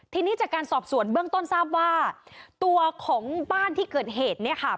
ทีนี้จากการสอบสวนเบื้องต้นทราบว่าตัวของบ้านที่เกิดเหตุเนี่ยค่ะ